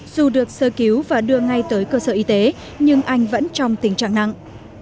dù được sơ cứu và đưa ngay tới cơ sở y tế nhưng anh vẫn trong tình trạng nặng